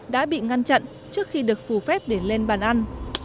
đã bị ngăn chặn trước khi được phủ phép để lên bàn ăn